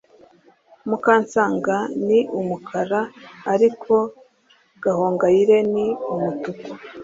mukansanga ni umukara ariko gahongayire ni umutuku